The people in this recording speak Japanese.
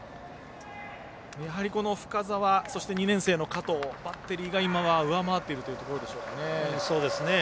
この深沢、そして２年生の加藤のバッテリーが今は上回っているということでしょうかね。